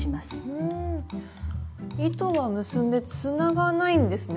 うん糸は結んでつながないんですね。